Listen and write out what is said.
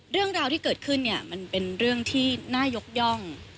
เรื่องราวที่เกิดขึ้นเนี่ยมันเป็นเรื่องที่น่ายกย่อง